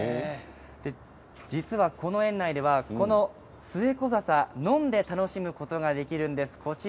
実は、この園内ではスエコザサを飲んで楽しむこともできます。